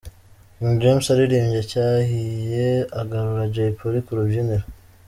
King James aririmbye Cyahiye agarura Jay Polly ku rubyiniro.